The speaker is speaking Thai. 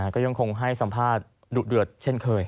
ก็ยังคงให้สัมภาษณ์ดุเดือดเช่นเคย